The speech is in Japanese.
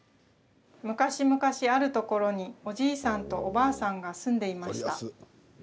昔々あるところにおじいさんとおばあさんが住んでいました。